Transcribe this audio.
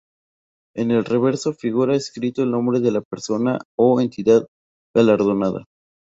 En el reverso figura escrito el nombre de la persona o entidad galardonada.